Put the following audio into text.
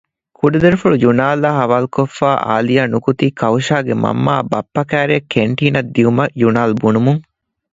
ކުޑަ ދަރިފުޅު ޔުނާލްއާއި ހަވާލުކޮށްފައި އާލިމާ ނުކުތީ ކައުޝާގެ މަންމައާއި ބައްޕަ ކައިރިއަށް ކެންޓީނަށް ދިޔުމަށް ޔުނާލް ބުނުމުން